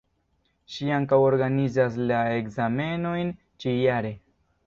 Ŝi ankaŭ organizas la ekzamenojn ĉi jare.